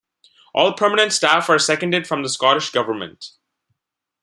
All permanent staff are seconded from the Scottish Government.